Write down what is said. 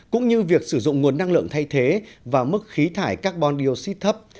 cũng như việc sử dụng nguồn năng lượng thay thế và mức khí thải carbon dioxide thấp